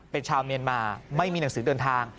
เป็นชาวเมียนมาไม่มีหนังสือเดินทาง